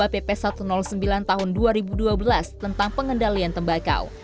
yaya sonlentera mendorong pemerintah mengubah pp satu ratus sembilan tahun dua ribu dua belas tentang pengendalian tembakau